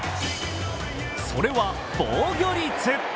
それは防御率。